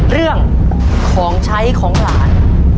เรื่องของใช้ของหลาน